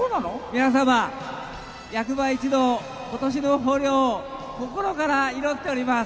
皆さま役場一同今年の豊漁を心から祈っております。